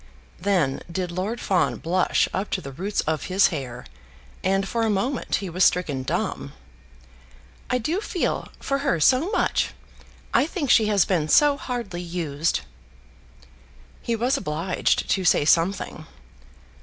Then did Lord Fawn blush up to the roots of his hair, and for a moment he was stricken dumb. "I do feel for her so much! I think she has been so hardly used!" He was obliged to say something.